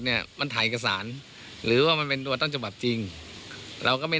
เนี้ยมันถ่ายกษานหรือว่ามันเป็นรวดต้นจบบัตรจริงเราก็ไม่